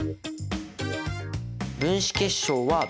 分子結晶は「分子」。